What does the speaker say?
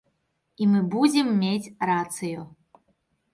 І мы будзем мець рацыю.